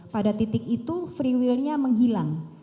pada titik itu free will nya menghilang